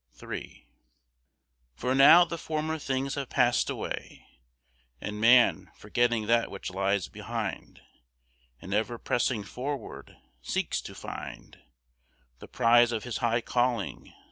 III For now the former things have passed away, And man, forgetting that which lies behind, And ever pressing forward, seeks to find The prize of his high calling.